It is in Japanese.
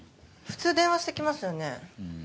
普通電話して来ますよね。